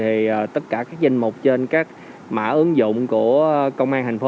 thì tất cả các danh mục trên các mã ứng dụng của công an thành phố